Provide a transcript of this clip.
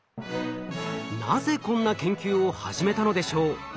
なぜこんな研究を始めたのでしょう？